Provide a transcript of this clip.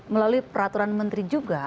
melalui peraturan menteri juga